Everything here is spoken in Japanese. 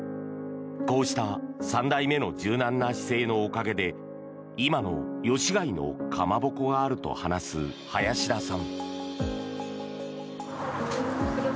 こうした３代目の柔軟な姿勢のおかげで今の吉開のかまぼこがあると話す林田さん。